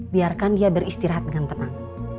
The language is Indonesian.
biarkan dia beristirahat dengan tenang